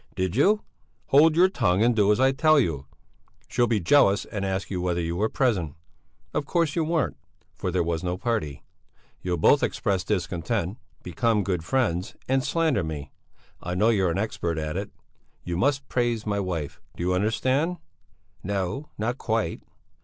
"Did you...." "Hold your tongue and do as I tell you! She'll be jealous and ask you whether you were present. Of course you weren't, for there was no party. You'll both express discontent, become good friends and slander me; I know you're an expert at it. But you must praise my wife. Do you understand?" "No; not quite."